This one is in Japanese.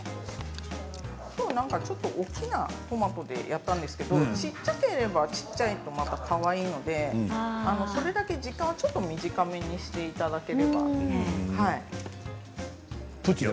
きょう、ちょっと大きなトマトでやったんですけれども小さければ小さいトマトでもかわいいのでそれだけ時間を、ちょっと短めにしていただければ。